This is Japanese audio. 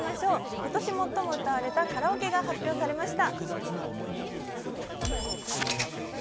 今年最も歌われたカラオケが発表されました。